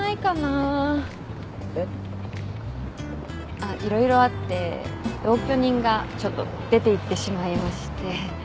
あっ色々あって同居人がちょっと出ていってしまいまして。